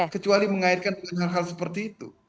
kecuali mengaitkan dengan hal hal seperti itu